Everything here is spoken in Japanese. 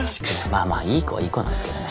まあまあいい子はいい子なんすけどね。